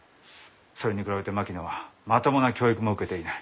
それに比べて槙野はまともな教育も受けていない。